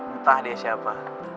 entah dia siapa